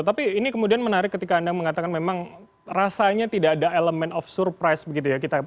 tapi ini kemudian menarik ketika anda mengatakan memang rasanya tidak ada elemen of surprise begitu ya